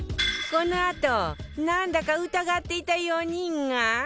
このあとなんだか疑っていた４人が